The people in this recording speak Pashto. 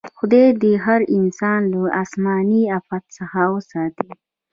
خدای دې هر انسان له اسماني افت څخه وساتي.